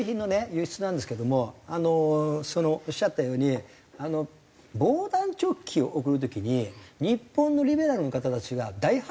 輸出なんですけどもそのおっしゃったように防弾チョッキを送る時に日本のリベラルの方たちが大反対したんですよね。